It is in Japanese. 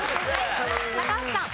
高橋さん。